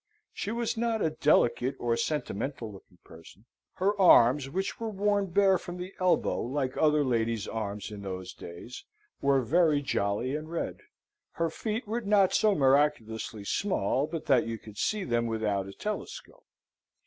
She was not a delicate or sentimental looking person. Her arms, which were worn bare from the elbow like other ladies' arms in those days, were very jolly and red. Her feet were not so miraculously small but that you could see them without a telescope.